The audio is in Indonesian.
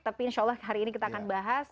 tapi insya allah hari ini kita akan bahas